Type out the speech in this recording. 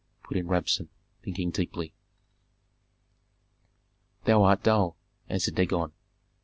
put in Rabsun, thinking deeply. "Thou art dull!" answered Dagon.